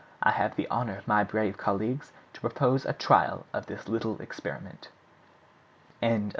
I have the honor, my brave colleagues, to propose a trial of this little experiment." CHAPTER III.